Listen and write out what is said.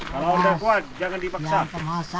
kalau udah kuat jangan dipaksa